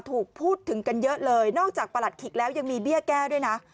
ถูกพูดถึงกันเยอะเลยนอกจากประหลัดขิกแล้วยังมีเบี้ยแก้ด้วยนะ